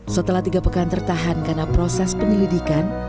setelah tiga pekan tertahan karena proses penyelidikan